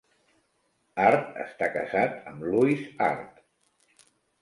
Harte està casat amb Louise Harte.